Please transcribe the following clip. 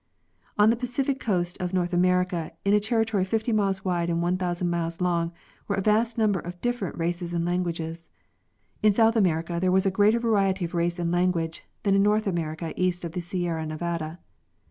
On the Pacific coast of North America, in a territory 50 miles wide and 1,000 miles long, were a vast number of different races and languages. In South America there was a greater variety of race and language than in North America east of the Sierra Nevada.